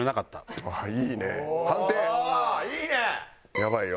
やばいよ。